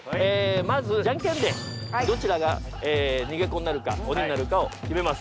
まずジャンケンでどちらが逃げ子になるか鬼になるかを決めます。